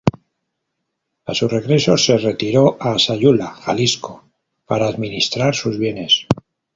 A su regreso se retiró a Sayula, Jalisco, para administrar sus bienes.